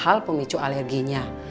hal hal pemicu alerginya